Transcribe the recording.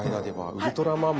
ウルトラマン！